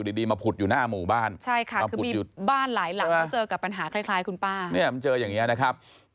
มีอันเจออย่างนี้นะครับ